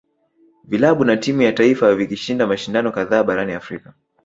Vilabu na timu ya taifa vikishinda mashindano kadhaa barani Afrika